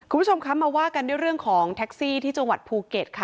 คุณผู้ชมคะมาว่ากันด้วยเรื่องของแท็กซี่ที่จังหวัดภูเก็ตค่ะ